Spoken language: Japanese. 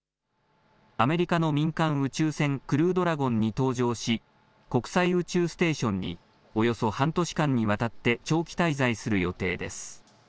アメリカの民間宇宙船、クルードラゴンに搭乗し国際宇宙ステーションにおよそ半年間にわたって長期滞在する予定です。